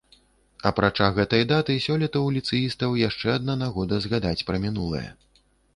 Апрача гэтай даты, сёлета ў ліцэістаў яшчэ адна нагода згадаць пра мінулае.